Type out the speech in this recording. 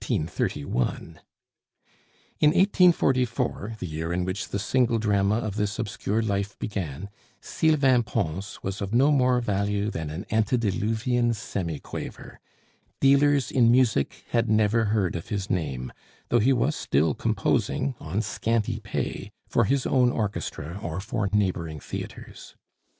In 1844, the year in which the single drama of this obscure life began, Sylvain Pons was of no more value than an antediluvian semiquaver; dealers in music had never heard of his name, though he was still composing, on scanty pay, for his own orchestra or for neighboring theatres.